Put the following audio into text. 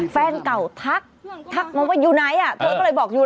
แฟนเก่าทัก